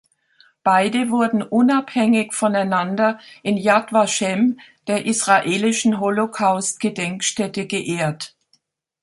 Beide wurden unabhängig voneinander in Yad Vashem, der israelischen Holocaust-Gedenkstätte, geehrt.